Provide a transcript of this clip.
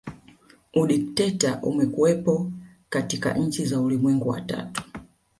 Udikteta umekuwepo katika nchi za ulimwengu wa tatu